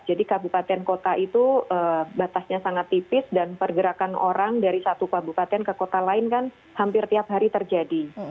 jadi kabupaten kota itu batasnya sangat tipis dan pergerakan orang dari satu kabupaten ke kota lain kan hampir tiap hari terjadi